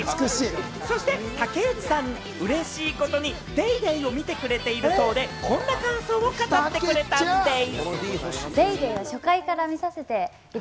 そして竹内さん、うれしい事に『ＤａｙＤａｙ．』を見てくれているそうで、こんな感想を語ってくれたんでぃす！